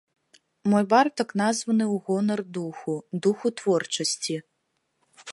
Мой бар так названы ў гонар духу, духу творчасці.